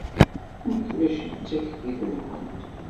Nekk mačči d taklit-nkent.